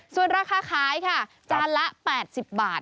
ส่วนราคาขายค่ะจานละ๘๐บาท